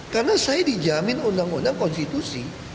karena saya dijamin undang undang konstitusi